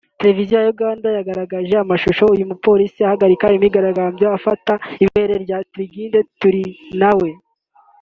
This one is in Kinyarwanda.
televiziyo ya Uganda yagaragaje amashusho uyu mupolisi ahagarika abigaragambya afata ibere rya Ingrid Turinawe